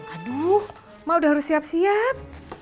aduh ma udah harus siap siap